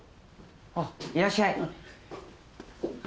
あっいらっしゃい。